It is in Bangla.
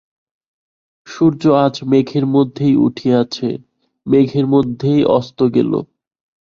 সূর্য আজ মেঘের মধ্যেই উঠিয়াছে, মেঘের মধ্যেই অস্ত গেল।